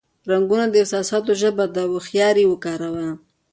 رنگونه د احساساتو ژبه ده، هوښیار یې وکاروه.